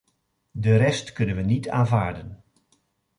De rest kunnen we niet aanvaarden.